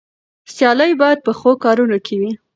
سيالي بايد په ښو کارونو کې وي.